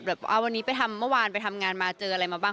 วันนี้ไปทำเมื่อวานไปทำงานมาเจออะไรมาบ้าง